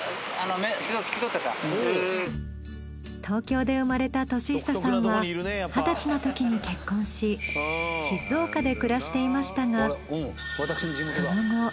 東京で生まれた敏久さんは２０歳のときに結婚し静岡で暮らしていましたが。